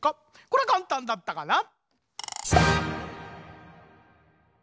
こりゃかんたんだったかな？